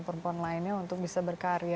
perempuan lainnya untuk bisa berkarya